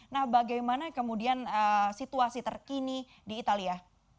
nah bagaimana kemudian situasi terkini di italia